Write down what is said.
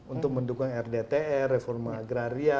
untuk mendukung rdtr reforma agraria